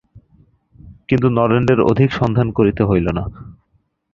কিন্তু নরেন্দ্রের অধিক সন্ধান করিতে হইল না।